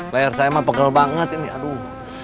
layar saya emang pegel banget ini aduh